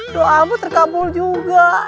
doamu terkabul juga